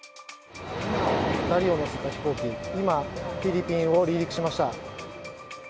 ２人を乗せた飛行機、今、フィリピンを離陸しました。